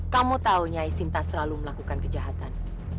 kamu tahu nyai sinta selalu melakukan kejahatan